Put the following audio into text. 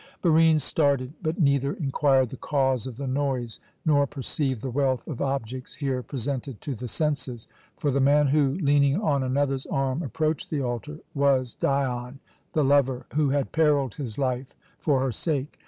Barine started, but neither inquired the cause of the noise nor perceived the wealth of objects here presented to the senses; for the man who, leaning on another's arm, approached the altar, was Dion, the lover who had perilled his life for her sake.